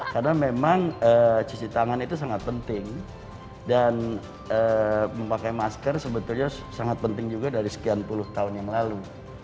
karena memang cuci tangan itu sangat penting dan memakai masker sebetulnya sangat penting juga dari sekian puluh tahun yang lalu